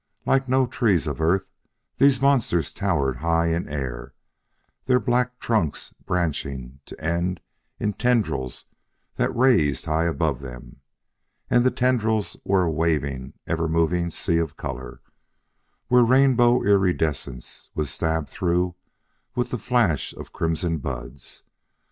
Like no trees of Earth, these monsters towered high in air, their black trunks branching to end in tendrils that raised high above them. And the tendrils were a waving, ever moving sea of color, where rainbow iridescence was stabbed through with the flash of crimson buds.